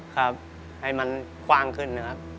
ครับให้มันกว้างขึ้นนะครับ